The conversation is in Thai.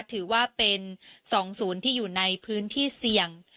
ถือว่าเป็น๒๐ที่อยู่ในพื้นที่เสี่ยง